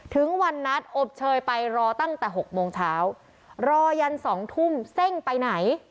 ถึงวันนัดอบเชยไปรอตั้งแต่๖โมงเช้ารอยัน๒ทุ่มเซ่งไปไหน